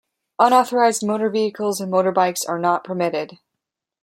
Unauthorized motor vehicles and motorbikes are not permitted.